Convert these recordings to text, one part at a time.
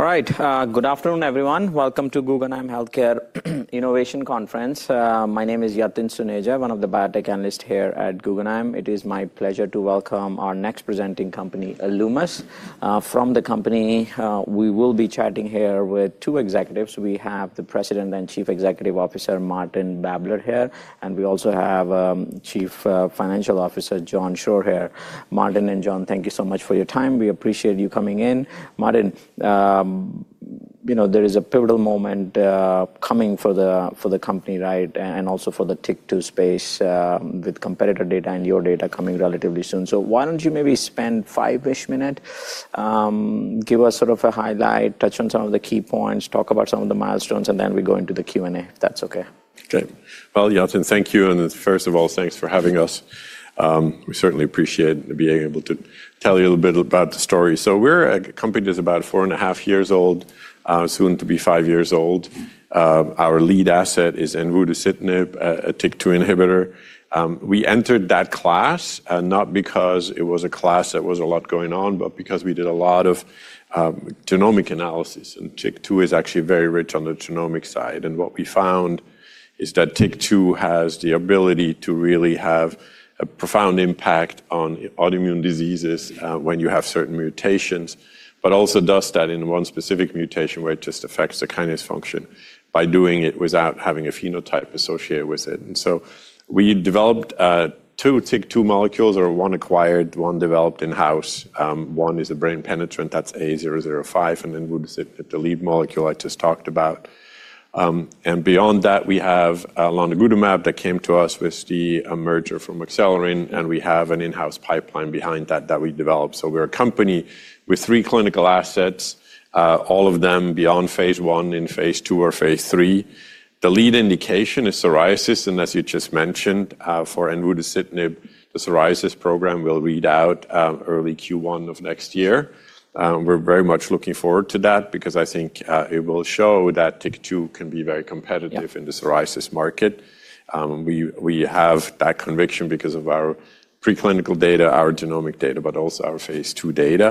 All right. Good afternoon, everyone. Welcome to Guggenheim Healthcare Innovation Conference. My name is Yatin Suneja, one of the biotech analysts here at Guggenheim. It is my pleasure to welcome our next presenting company, Alumis. From the company, we will be chatting here with two executives. We have the President and Chief Executive Officer, Martin Babler, here. And we also have Chief Financial Officer, John Schroer, here. Martin and John, thank you so much for your time. We appreciate you coming in. Martin, there is a pivotal moment coming for the company, right, and also for the TYK2 space with competitor data and your data coming relatively soon. Why do not you maybe spend five-ish minutes, give us sort of a highlight, touch on some of the key points, talk about some of the milestones, and then we go into the Q&A, if that is OK. Great. Yatin, thank you. First of all, thanks for having us. We certainly appreciate being able to tell you a little bit about the story. We are a company that is about four and a half years old, soon to be five years old. Our lead asset is Envutuzitinib, a TYK2 inhibitor. We entered that class not because it was a class that was a lot going on, but because we did a lot of genomic analysis. TYK2 is actually very rich on the genomic side. What we found is that TYK2 has the ability to really have a profound impact on autoimmune diseases when you have certain mutations, but also does that in one specific mutation where it just affects the kinase's function by doing it without having a phenotype associated with it. We developed two TYK2 molecules, one acquired, one developed in-house. One is a brain penetrant, that's A-005, and Envutuzitinib, the lead molecule I just talked about. Beyond that, we have Lonigutamab that came to us with the merger from Accelerin. We have an in-house pipeline behind that that we developed. We're a company with three clinical assets, all of them beyond phase I in phase II or phase III. The lead indication is psoriasis. As you just mentioned, for Envutuzitinib, the psoriasis program will read out early Q1 of next year. We're very much looking forward to that because I think it will show that TYK2 can be very competitive in the psoriasis market. We have that conviction because of our preclinical data, our genomic data, but also our phase two data.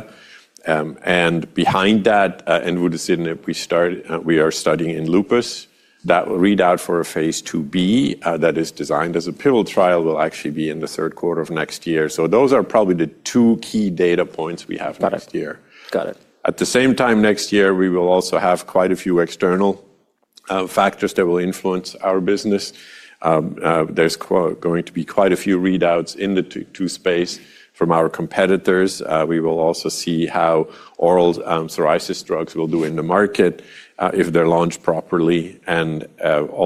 Behind that, Envutuzitinib, we are studying in lupus. That will read out for a phase IIb that is designed as a pivotal trial, will actually be in the third quarter of next year. Those are probably the two key data points we have next year. Got it. At the same time, next year, we will also have quite a few external factors that will influence our business. There are going to be quite a few readouts in the TYK2 space from our competitors. We will also see how oral psoriasis drugs will do in the market if they are launched properly.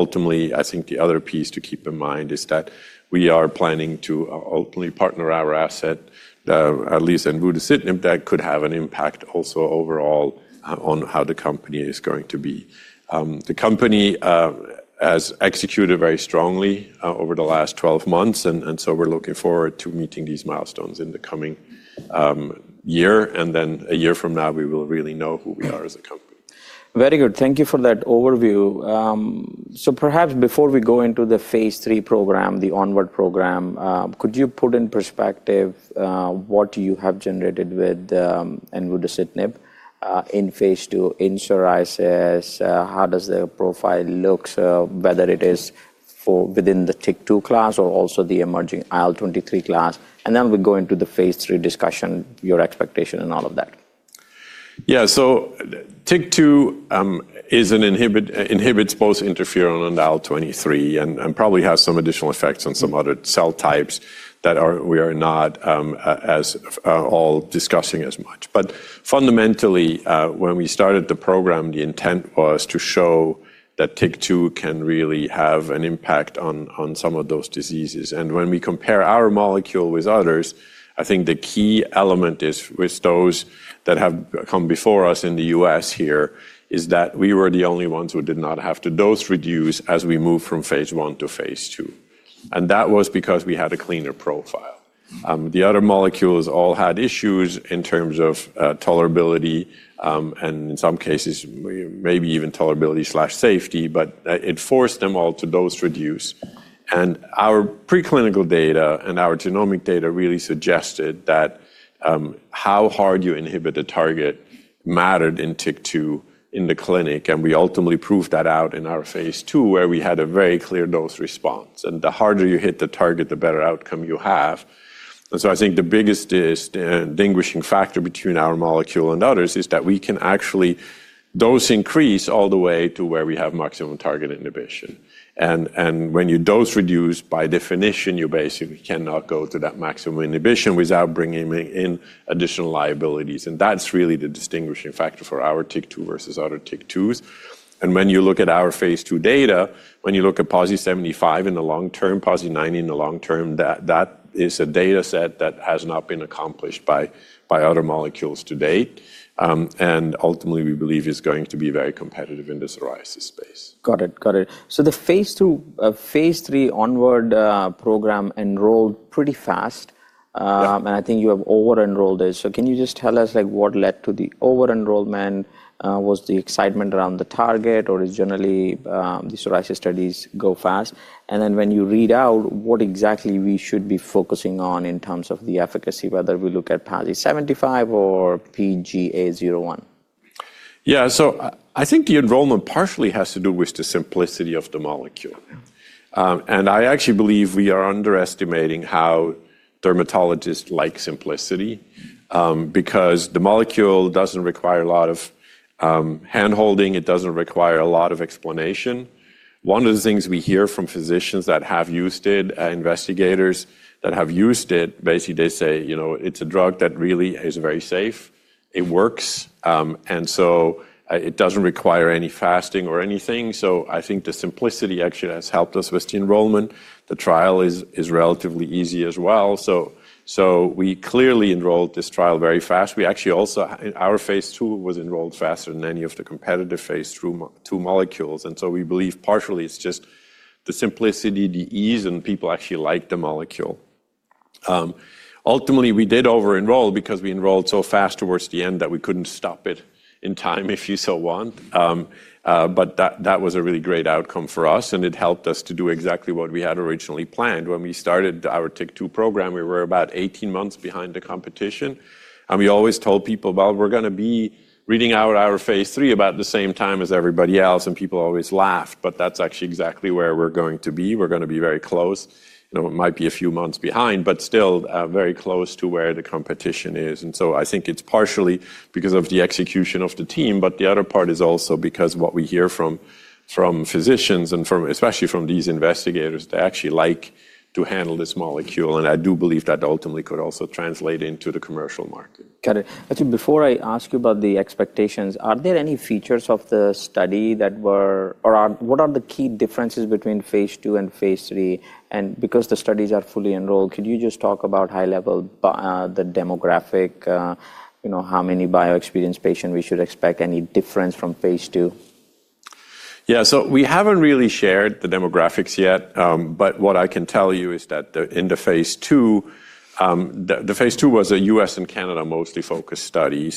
Ultimately, I think the other piece to keep in mind is that we are planning to ultimately partner our asset, at least Envutuzitinib, that could have an impact also overall on how the company is going to be. The company has executed very strongly over the last 12 months. We are looking forward to meeting these milestones in the coming year. A year from now, we will really know who we are as a company. Very good. Thank you for that overview. Perhaps before we go into the phase III program, the onward program, could you put in perspective what you have generated with Envutuzitinib in phase II in psoriasis? How does the profile look, whether it is within the TYK2 class or also the emerging IL-23 class? Then we go into the phase III discussion, your expectation, and all of that. Yeah. TIYK2 inhibits both interferon and IL-23 and probably has some additional effects on some other cell types that we are not all discussing as much. Fundamentally, when we started the program, the intent was to show that TIYK2 can really have an impact on some of those diseases. When we compare our molecule with others, I think the key element is with those that have come before us in the U.S. here is that we were the only ones who did not have to dose-reduce as we moved from phase I to phase II. That was because we had a cleaner profile. The other molecules all had issues in terms of tolerability and in some cases, maybe even tolerability/safety. It forced them all to dose-reduce. Our preclinical data and our genomic data really suggested that how hard you inhibit a target mattered in TYK2 in the clinic. We ultimately proved that out in our phase II, where we had a very clear dose response. The harder you hit the target, the better outcome you have. I think the biggest distinguishing factor between our molecule and others is that we can actually dose-increase all the way to where we have maximum target inhibition. When you dose-reduce, by definition, you basically cannot go to that maximum inhibition without bringing in additional liabilities. That is really the distinguishing factor for our TYK2 versus other TYK2s. When you look at our phase II data, when you look at PASI 75 in the long term, PASI 90 in the long term, that is a data set that has not been accomplished by other molecules to date. Ultimately, we believe it's going to be very competitive in the psoriasis space. Got it. Got it. So the phase II phase III onward program enrolled pretty fast. I think you have over-enrolled it. Can you just tell us what led to the over-enrollment? Was the excitement around the target, or is generally the psoriasis studies go fast? When you read out, what exactly should we be focusing on in terms of the efficacy, whether we look at PASI 75 or PGA 0/1? Yeah. I think the enrollment partially has to do with the simplicity of the molecule. I actually believe we are underestimating how dermatologists like simplicity because the molecule does not require a lot of hand-holding. It does not require a lot of explanation. One of the things we hear from physicians that have used it, investigators that have used it, basically, they say, you know, it is a drug that really is very safe. It works. It does not require any fasting or anything. I think the simplicity actually has helped us with the enrollment. The trial is relatively easy as well. We clearly enrolled this trial very fast. We actually also, our phase II was enrolled faster than any of the competitive phase II molecules. We believe partially it is just the simplicity, the ease, and people actually like the molecule. Ultimately, we did over-enroll because we enrolled so fast towards the end that we could not stop it in time, if you so want. That was a really great outcome for us. It helped us to do exactly what we had originally planned. When we started our TYK2 program, we were about 18 months behind the competition. We always told people, well, we are going to be reading out our phase III about the same time as everybody else. People always laughed. That is actually exactly where we are going to be. We are going to be very close. It might be a few months behind, but still very close to where the competition is. I think it is partially because of the execution of the team. The other part is also because what we hear from physicians and especially from these investigators, they actually like to handle this molecule. I do believe that ultimately could also translate into the commercial market. Got it. Actually, before I ask you about the expectations, are there any features of the study that were, or what are the key differences between phase II and phase III? Because the studies are fully enrolled, could you just talk about high level, the demographic, how many bioexperienced patients we should expect, any difference from phase II? Yeah. So we haven't really shared the demographics yet. But what I can tell you is that in the phase II, the phase II was a U.S. and Canada mostly focused study.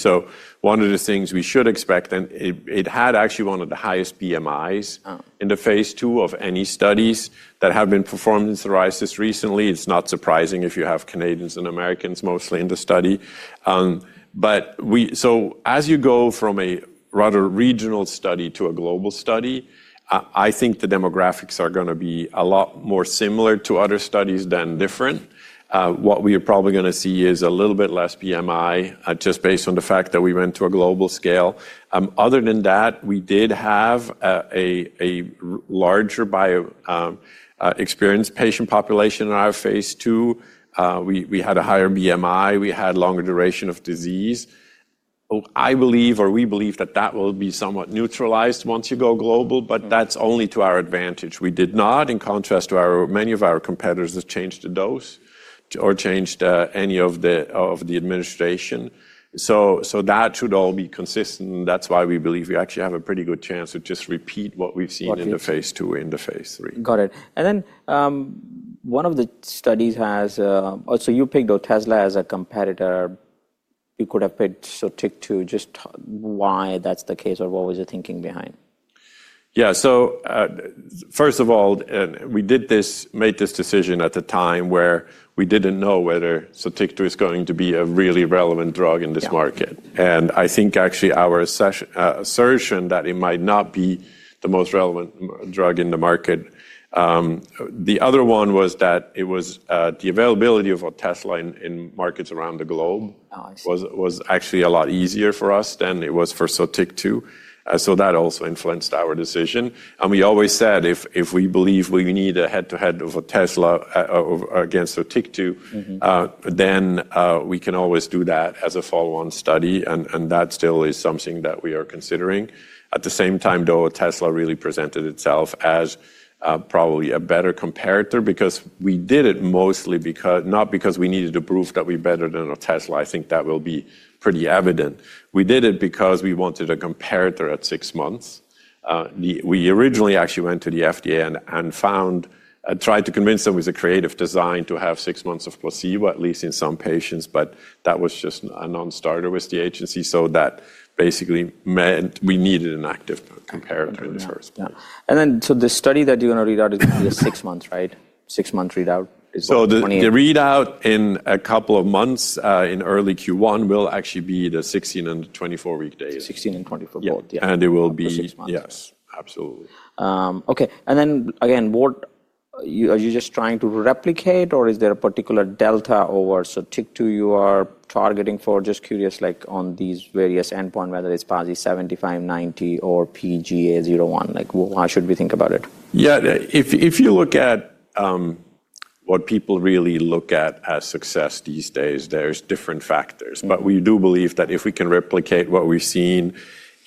One of the things we should expect, and it had actually one of the highest BMIs in the phase II of any studies that have been performed in psoriasis recently. It's not surprising if you have Canadians and Americans mostly in the study. As you go from a rather regional study to a global study, I think the demographics are going to be a lot more similar to other studies than different. What we are probably going to see is a little bit less BMI, just based on the fact that we went to a global scale. Other than that, we did have a larger bioexperienced patient population in our phase II. We had a higher BMI. We had longer duration of disease. I believe, or we believe, that that will be somewhat neutralized once you go global. That is only to our advantage. We did not, in contrast to many of our competitors, change the dose or change any of the administration. That should all be consistent. That is why we believe we actually have a pretty good chance to just repeat what we've seen in the phase II and the phase III. Got it. And then one of the studies has, so you picked Otezla as a competitor. You could have picked TYK2. Just why that's the case, or what was the thinking behind? Yeah. First of all, we did this, made this decision at the time where we did not know whether TYK2 is going to be a really relevant drug in this market. I think actually our assertion that it might not be the most relevant drug in the market. The other one was that the availability of Otezla in markets around the globe was actually a lot easier for us than it was for TYK2. That also influenced our decision. We always said, if we believe we need a head-to-head of Otezla against TYK2, then we can always do that as a follow-on study. That still is something that we are considering. At the same time, though, Otezla really presented itself as probably a better comparator because we did it mostly not because we needed to prove that we are better than Otezla. I think that will be pretty evident. We did it because we wanted a comparator at six months. We originally actually went to the FDA and tried to convince them with a creative design to have six months of placebo, at least in some patients. That was just a non-starter with the agency. That basically meant we needed an active comparator in the first place. The study that you're going to read out is six months, right? Six-month readout is what? The readout in a couple of months in early Q1 will actually be the 16- and the 24-week data. 16 and 24-week. Yes, absolutely. OK. And then again, are you just trying to replicate, or is there a particular delta over TYK2 you are targeting for? Just curious, like on these various endpoints, whether it's PASI 75, 90, or PGA 0/1, why should we think about it? Yeah. If you look at what people really look at as success these days, there are different factors. We do believe that if we can replicate what we've seen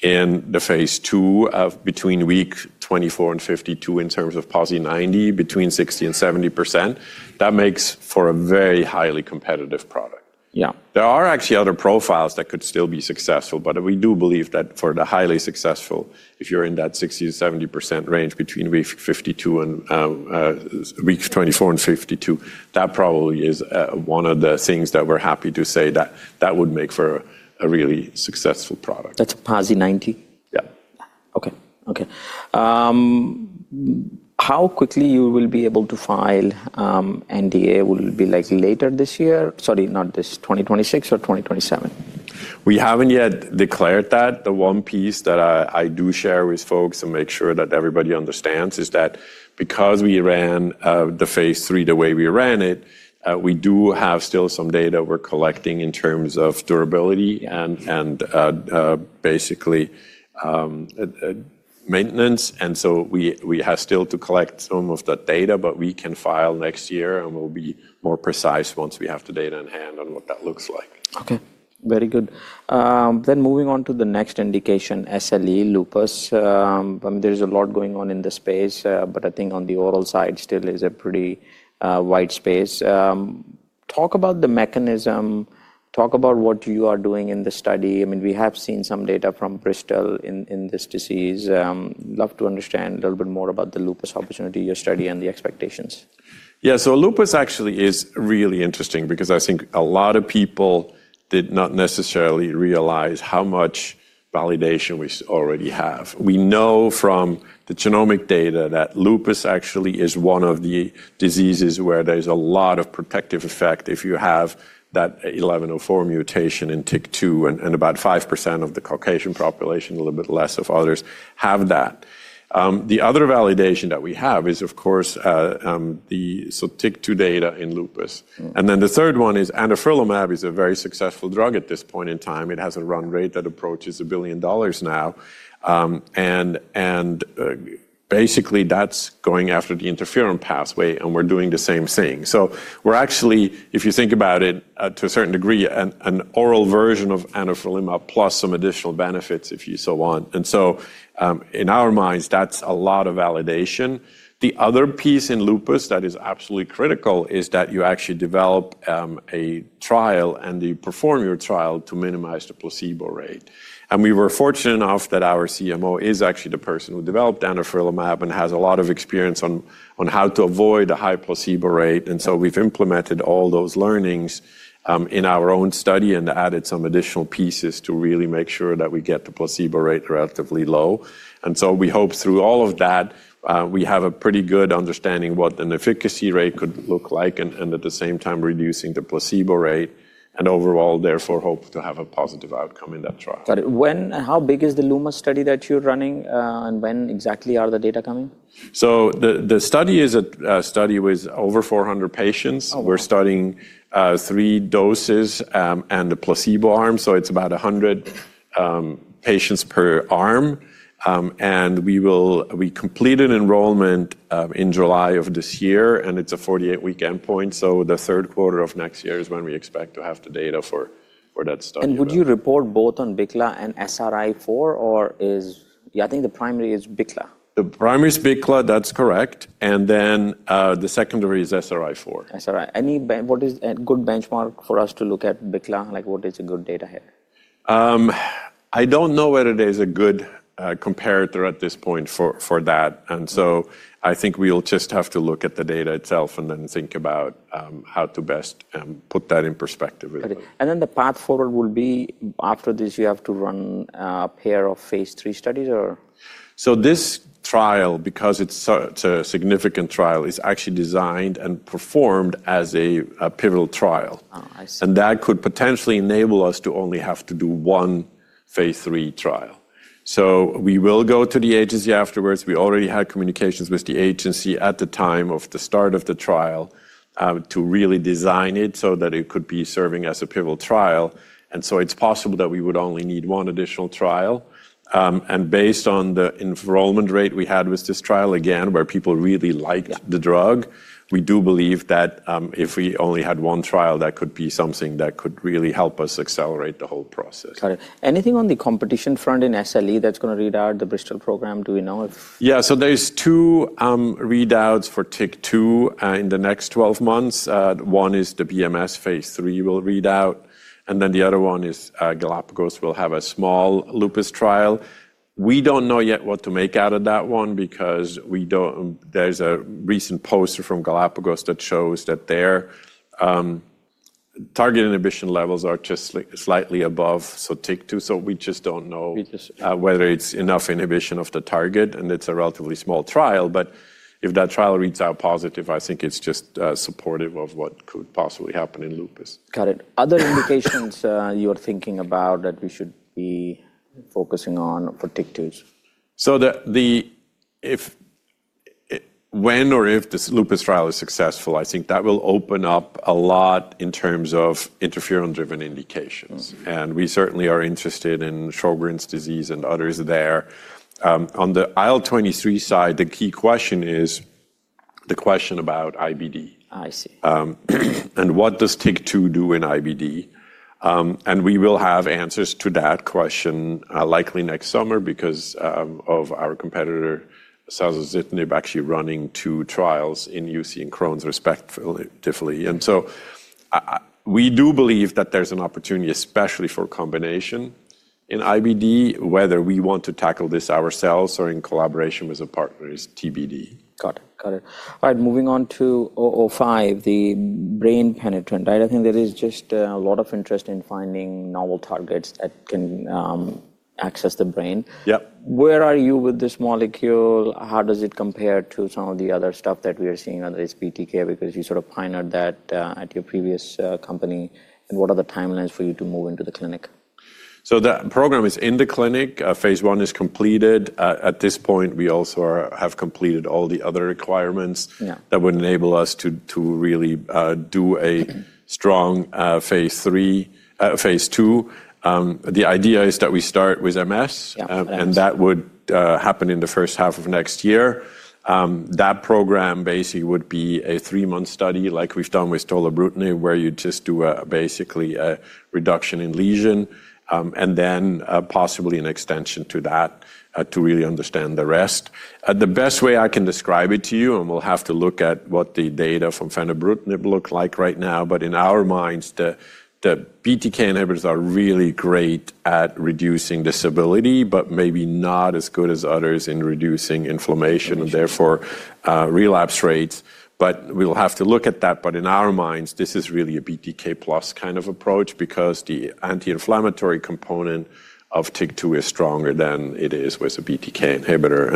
in the phase II of between week 24 and 52 in terms of PASI 90, between 60-70%, that makes for a very highly competitive product. Yeah, there are actually other profiles that could still be successful. We do believe that for the highly successful, if you're in that 60-70% range between week 24 and 52, that probably is one of the things that we're happy to say that that would make for a really successful product. That's PASI 90? Yeah. OK. OK. How quickly you will be able to file NDA? Will it be like later this year? Sorry, not this year, 2026 or 2027? We have not yet declared that. The one piece that I do share with folks and make sure that everybody understands is that because we ran the phase III the way we ran it, we do have still some data we are collecting in terms of durability and basically maintenance. We have still to collect some of that data. We can file next year. We will be more precise once we have the data in hand on what that looks like. OK. Very good. Moving on to the next indication, SLE, lupus. There is a lot going on in the space. I think on the oral side still is a pretty wide space. Talk about the mechanism. Talk about what you are doing in the study. I mean, we have seen some data from Bristol in this disease. Love to understand a little bit more about the lupus opportunity you study and the expectations. Yeah. Lupus actually is really interesting because I think a lot of people did not necessarily realize how much validation we already have. We know from the genomic data that lupus actually is one of the diseases where there is a lot of protective effect if you have that 1104 mutation in TYK2. And about 5% of the Caucasian population, a little bit less of others, have that. The other validation that we have is, of course, the TYK2 data in lupus. Then the third one is anifrolumab is a very successful drug at this point in time. It has a run rate that approaches $1 billion now. Basically, that is going after the interferon pathway. We are doing the same thing. We are actually, if you think about it to a certain degree, an oral version of anifrolumab plus some additional benefits, if you so want. In our minds, that's a lot of validation. The other piece in lupus that is absolutely critical is that you actually develop a trial and you perform your trial to minimize the placebo rate. We were fortunate enough that our CMO is actually the person who developed anifrolumab and has a lot of experience on how to avoid a high placebo rate. We have implemented all those learnings in our own study and added some additional pieces to really make sure that we get the placebo rate relatively low. We hope through all of that, we have a pretty good understanding what an efficacy rate could look like and at the same time reducing the placebo rate. Overall, therefore, hope to have a positive outcome in that trial. Got it. How big is the LUMA study that you're running? When exactly are the data coming? The study is a study with over 400 patients. We're starting three doses and the placebo arm. It's about 100 patients per arm. We completed enrollment in July of this year. It's a 48-week endpoint. The third quarter of next year is when we expect to have the data for that study. Would you report both on BICLA and SRI-4, or is, yeah, I think the primary is BICLA? The primary is BICLA. That's correct. And then the secondary is SRI-4. SRI. Any good benchmark for us to look at BICLA? Like what is a good data here? I don't know whether there's a good comparator at this point for that. I think we'll just have to look at the data itself and then think about how to best put that in perspective. Then the path forward will be after this, you have to run a pair of phase III studies, or? This trial, because it's a significant trial, is actually designed and performed as a pivotal trial. That could potentially enable us to only have to do one phase III trial. We will go to the agency afterwards. We already had communications with the agency at the time of the start of the trial to really design it so that it could be serving as a pivotal trial. It's possible that we would only need one additional trial. Based on the enrollment rate we had with this trial, again, where people really liked the drug, we do believe that if we only had one trial, that could be something that could really help us accelerate the whole process. Got it. Anything on the competition front in SLE that's going to read out the Bristol program? Do we know if? Yeah. So there's two readouts for TYK2 in the next 12 months. One is the BMS phase III will read out. And then the other one is Galapagos will have a small lupus trial. We don't know yet what to make out of that one because there's a recent poster from Galapagos that shows that their target inhibition levels are just slightly above TYK2. So we just don't know whether it's enough inhibition of the target. And it's a relatively small trial. But if that trial reads out positive, I think it's just supportive of what could possibly happen in lupus. Got it. Other indications you are thinking about that we should be focusing on for TYK2s? When or if this lupus trial is successful, I think that will open up a lot in terms of interferon-driven indications. And we certainly are interested in Sjögren's disease and others there. On the IL-23 side, the key question is the question about IBD. And what does TYK2 do in IBD? We will have answers to that question likely next summer because of our competitor, Salzitnib, actually running two trials in ulcerative colitis and Crohn's respectively. We do believe that there's an opportunity, especially for combination in IBD, whether we want to tackle this ourselves or in collaboration with a partner is TBD. Got it. Got it. All right. Moving on to A-005, the brain penetrant, right? I think there is just a lot of interest in finding novel targets that can access the brain. Where are you with this molecule? How does it compare to some of the other stuff that we are seeing on the BTK? Because you sort of pioneered that at your previous company. What are the timelines for you to move into the clinic? That program is in the clinic. Phase I is completed. At this point, we also have completed all the other requirements that would enable us to really do a strong phase II. The idea is that we start with MS. That would happen in the first half of next year. That program basically would be a three-month study like we've done with tolebrutinib, where you just do basically a reduction in lesion. Then possibly an extension to that to really understand the rest. The best way I can describe it to you, and we'll have to look at what the data from evobrutinib look like right now. In our minds, the BTK inhibitors are really great at reducing disability, but maybe not as good as others in reducing inflammation and therefore relapse rates. We'll have to look at that. In our minds, this is really a BTK plus kind of approach because the anti-inflammatory component of TYK2 is stronger than it is with a BTK inhibitor.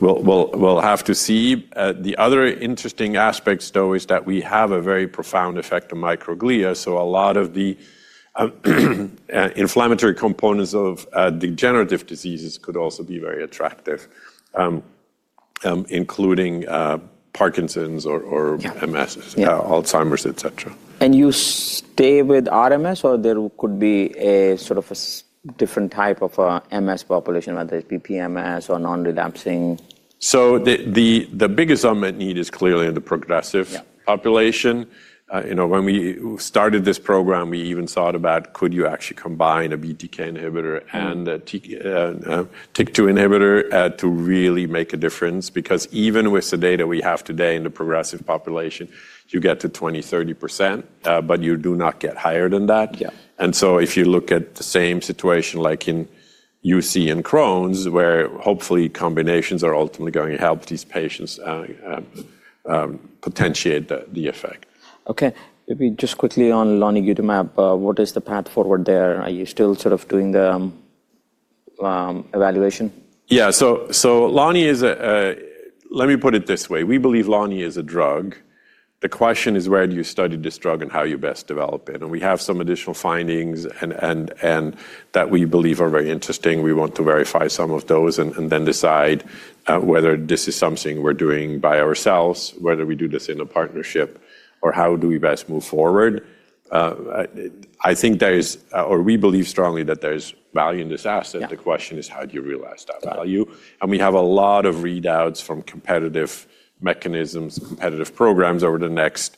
We will have to see. The other interesting aspect, though, is that we have a very profound effect on microglia. A lot of the inflammatory components of degenerative diseases could also be very attractive, including Parkinson's or MS, Alzheimer's, et cetera. Do you stay with RMS, or could there be a sort of a different type of MS population, whether it's BPMS or non-relapsing? The biggest unmet need is clearly in the progressive population. When we started this program, we even thought about could you actually combine a BTK inhibitor and a TYK2 inhibitor to really make a difference? Because even with the data we have today in the progressive population, you get to 20%-30%. You do not get higher than that. If you look at the same situation like in ulcerative colitis and Crohn's, where hopefully combinations are ultimately going to help these patients potentiate the effect. OK. Maybe just quickly on Lonigutamab, what is the path forward there? Are you still sort of doing the evaluation? Yeah. Loni is a, let me put it this way. We believe Loni is a drug. The question is, where do you study this drug and how you best develop it? We have some additional findings that we believe are very interesting. We want to verify some of those and then decide whether this is something we're doing by ourselves, whether we do this in a partnership, or how do we best move forward. I think there is, or we believe strongly that there's value in this asset. The question is, how do you realize that value? We have a lot of readouts from competitive mechanisms, competitive programs over the next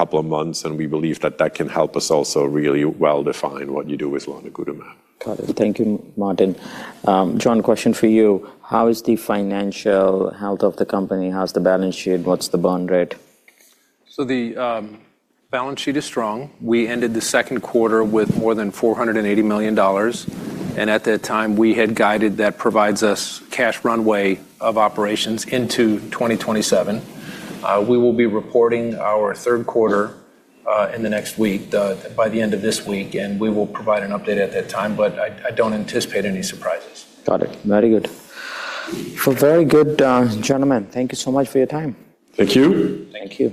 couple of months. We believe that that can help us also really well define what you do with lonigutamab. Got it. Thank you, Martin. John, question for you. How is the financial health of the company? How's the balance sheet? What's the burn rate? The balance sheet is strong. We ended the second quarter with more than $480 million. At that time, we had guided that provides us cash runway of operations into 2027. We will be reporting our third quarter in the next week, by the end of this week. We will provide an update at that time. I do not anticipate any surprises. Got it. Very good. Very good, gentlemen. Thank you so much for your time. Thank you. Thank you.